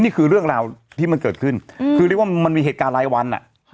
นี่คือเรื่องราวที่มันเกิดขึ้นคือเรียกว่ามันมีเหตุการณ์รายวันอ่ะ